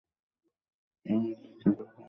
এই মাদ্রাসাটি দাখিল স্তরের।